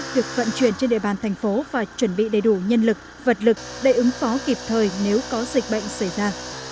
được vận chuyển trên địa bàn tp hải phòng và chuẩn bị đầy đủ nhân lực vật lực để ứng phó kịp thời nếu có dịch bệnh xảy ra